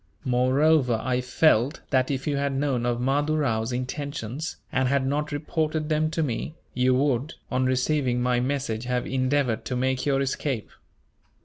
Moreover, I felt that if you had known of Mahdoo Rao's intentions, and had not reported them to me, you would, on receiving my message, have endeavoured to make your escape.